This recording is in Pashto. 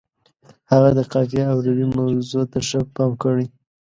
هغه د قافیې او روي موضوع ته ښه پام کړی.